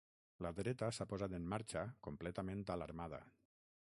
La dreta s’ha posat en marxa completament alarmada.